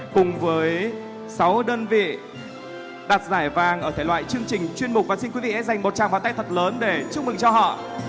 cùng với sáu đơn vị đặt giải vàng ở thể loại chương trình chuyên mục và xin quý vị hãy dành một trang vào tay thật lớn để chúc mừng cho họ